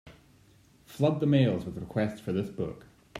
Flood the mails with requests for this book.